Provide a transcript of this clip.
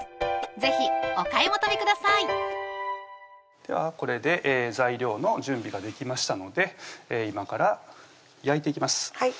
是非お買い求めくださいではこれで材料の準備ができましたので今から焼いていきます